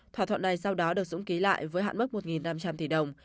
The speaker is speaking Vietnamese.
thỏa thuận này sau đó được dũng ký lại với hạn mức một năm trăm linh tỷ đồng